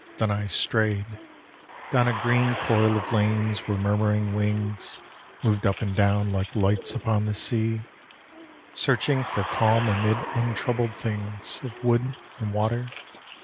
Then I strayed Down a green coil of lanes where murmuring wings Moved up and down like lights upon the sea, Searching for calm amid untroubled things Of wood and water.